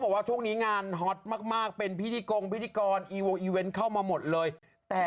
สวัสดีครับพี่จ๋า